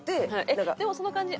えっでもその感じ